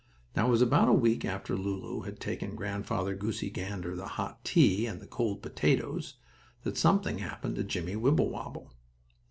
Now it was about a week after Lulu had taken Grandfather Goosey Gander the hot tea and the cold potatoes, that something happened to Jimmie Wibblewobble.